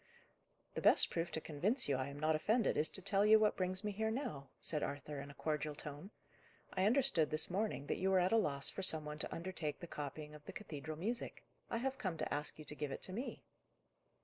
"The best proof to convince you I am not offended, is to tell you what brings me here now," said Arthur in a cordial tone. "I understood, this morning, that you were at a loss for some one to undertake the copying of the cathedral music: I have come to ask you to give it to me."